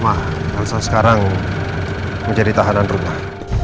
mah elsa sekarang menjadi tahanan rumah